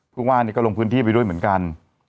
ผู้ว่านี่ก็ลงพื้นที่ไปด้วยเหมือนกัน